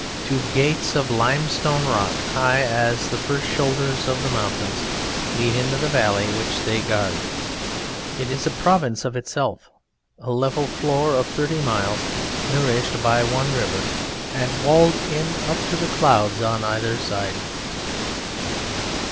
Two gates of limestone rock, high as the first shoulders of the mountains, lead into the valley which they guard; it is a province of itself, a level floor of thirty miles, nourished by one river, and walled in up to the clouds on either side.